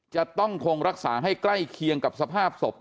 จะต้องคงรักษาให้ใกล้เคียงกับสภาพศพ